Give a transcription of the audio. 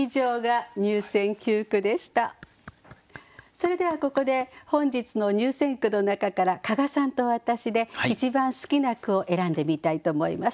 それではここで本日の入選句の中から加賀さんと私で一番好きな句を選んでみたいと思います。